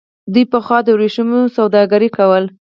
دوی پخوا د ورېښمو سوداګري کوله.